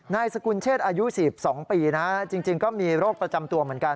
นายสกุลเชษอายุ๔๒ปีนะฮะจริงก็มีโรคประจำตัวเหมือนกัน